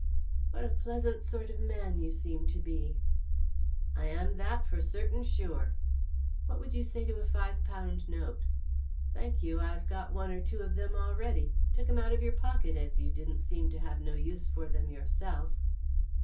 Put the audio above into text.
"What a pleasant sort of man you seem to be!" "I am that for certain sure." "What would you say to a five pound note?" "Thank you; I've got one or two of them already. Took 'em out of your pocket, as you didn't seem to have no use for them yourself."